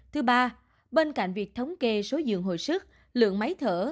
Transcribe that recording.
thứ ba bên cạnh việc thống kê số dường hồi sức lượng máy thở